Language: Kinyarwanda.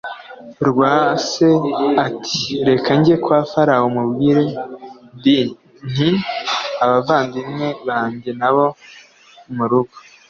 rwa se ati reka njye kwa Farawo mubwire d nti abavandimwe banjye n abo mu rugo